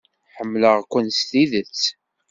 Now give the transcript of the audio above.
Ḥemmleɣ-ken s tidet.